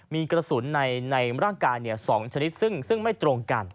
มีกระสุนในร่างกาย๒ชนิดซึ่งไม่ตรงกัน